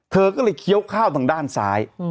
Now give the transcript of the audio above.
เธอก็เลยเคี้ยวข้าวทางด้านซ้าย